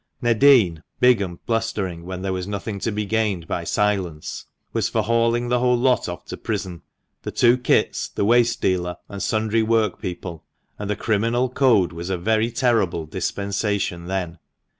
Nadin, big and blustering when there was nothing to be gained by silence, was for hauling the whole lot off to prison — the two Kits, the waste dealer, and sundry workpeople — and the criminal code was a very terrible dispensation then.